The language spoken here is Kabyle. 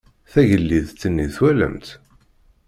Tagellidt-nni twalam-tt?